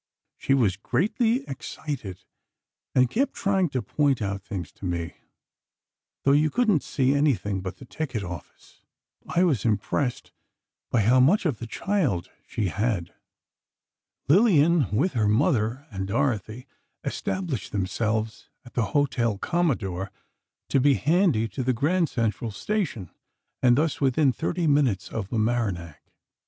She was greatly excited, and kept trying to point out things to me, though you couldn't see anything but the ticket office. I was impressed by how much of the child she had. Lillian, with her mother and Dorothy, established themselves at the Hotel Commodore, to be handy to the Grand Central Station, and thus within thirty minutes of Mamaroneck.